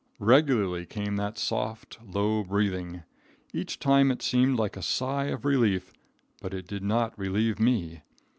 Regularly came that soft, low breathing. Each time it seemed like a sigh of relief, but it did not relieve me.